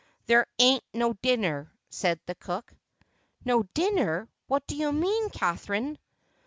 "There ain't no dinner," said the cook. "No dinner! What do you mean, Catherine?"